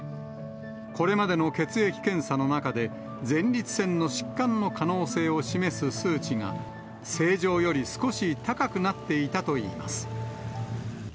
これまでの血液検査の中で、前立腺の疾患の可能性を示す数値が、正常より少し高くなっていたといいます。